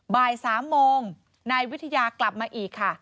บ่าย๓โมงนายวิทยากลับมาอีกค่ะ